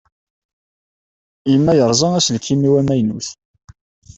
Gma yerẓa aselkim-iw amaynut.